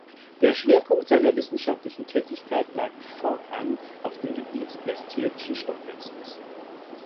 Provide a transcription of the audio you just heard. Der Schwerpunkt seiner wissenschaftlichen Tätigkeit lag fortan auf dem Gebiet des tierischen Stoffwechsels.